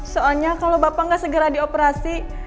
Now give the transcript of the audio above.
soalnya kalau bapak gak segera di operasi